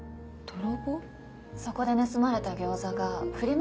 そこで盗まれた餃子がフリマ